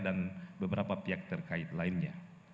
dan beberapa pihak terkait lainnya